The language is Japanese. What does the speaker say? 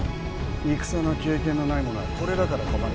戦の経験のない者はこれだから困る。